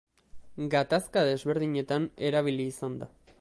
Gatazka desberdinetan erabili izan da.